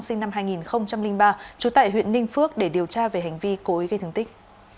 sinh năm hai nghìn ba trú tại huyện ninh phước để điều tra về hành vi cố ý gây thương tích